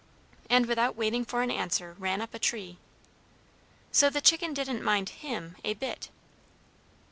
and, without waiting for an answer, ran up a tree. So the chicken didn't mind him a bit.